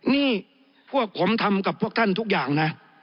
นี่พวกผมทำกับพวกท่านทุกอย่างนะ